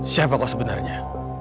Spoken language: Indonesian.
siapa kau sebenarnya